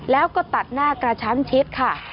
แล้วก็ตัดหน้ากระชั้นชิดค่ะ